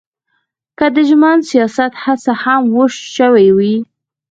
که د ژمن سیاست هڅه هم شوې وي.